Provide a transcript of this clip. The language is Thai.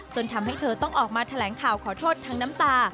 ทำให้เธอต้องออกมาแถลงข่าวขอโทษทั้งน้ำตา